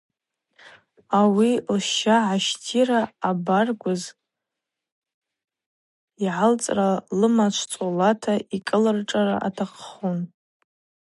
Ауи лща агӏащтира ъабаргвыз йгӏалцӏла лымачв цӏолата йкӏылылшӏара атахъхун.